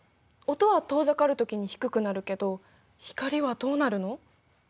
音は遠ざかるときに低くなるけど光はどうなるの？